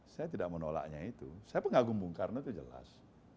saya tidak menolaknya itu saya pengagum bung karno itu jelas